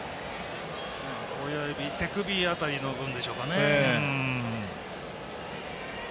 手首辺りの部分でしょうかね。